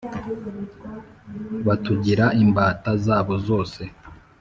batugira imbata zabo zose